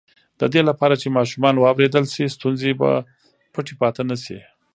د دې لپاره چې ماشومان واورېدل شي، ستونزې به پټې پاتې نه شي.